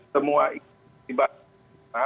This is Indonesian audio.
semua idi di bahasa indonesia